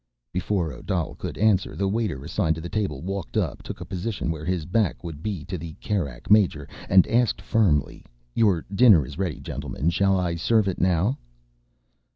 Before Odal could answer, the waiter assigned to the table walked up, took a position where his back would be to the Kerak major, and asked firmly, "Your dinner is ready gentlemen. Shall I serve it now?"